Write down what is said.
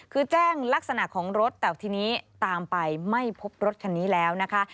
คือแจ้งลักษณะของรถแต่ทีนี้ตามไปไม่พบรถคันนี้แล้วนะคะ